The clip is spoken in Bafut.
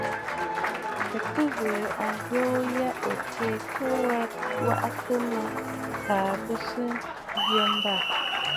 Ò tɨ ghɨ̀rə̀ ayoo ya ò tsee kɨ waʼatə mə kaa bɨ sɨ yə mbâ.